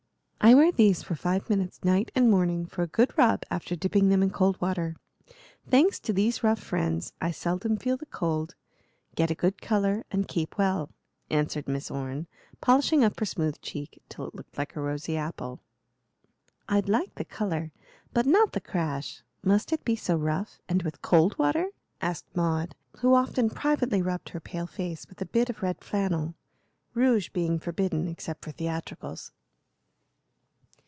"I wear these for five minutes night and morning, for a good rub, after dipping them in cold water. Thanks to these rough friends, I seldom feel the cold, get a good color, and keep well," answered Miss Orne, polishing up her smooth cheek till it looked like a rosy apple. "I'd like the color, but not the crash. Must it be so rough, and with cold water?" asked Maud, who often privately rubbed her pale face with a bit of red flannel, rouge being forbidden except for theatricals.